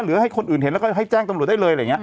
ให้คนอื่นเห็นแล้วก็ให้แจ้งตำรวจได้เลยอะไรอย่างนี้